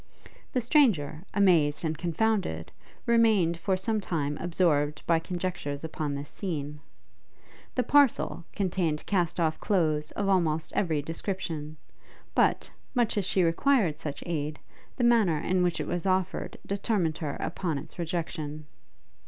The stranger, amazed and confounded, remained for some time absorbed by conjectures upon this scene. The parcel contained cast off clothes of almost every description; but, much as she required such aid, the manner in which it was offered determined her upon its rejection.